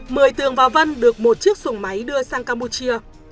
mười tường và vân được một chiếc xuồng máy đưa sang campuchia